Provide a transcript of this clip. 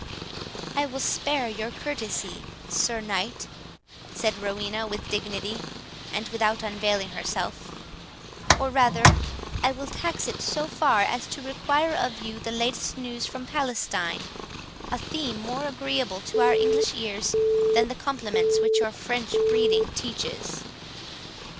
"I will spare your courtesy, Sir Knight," said Rowena with dignity, and without unveiling herself; "or rather I will tax it so far as to require of you the latest news from Palestine, a theme more agreeable to our English ears than the compliments which your French breeding teaches."